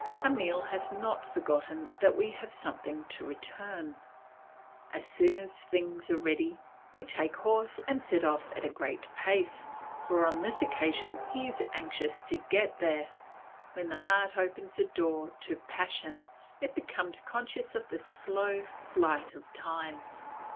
Emile has not forgotten that we have something to return. As soon as the things are ready, we take horse and set off at a great pace, for on this occasion he is anxious to get there. When the heart opens the door to passion, it becomes conscious of the slow flight of time.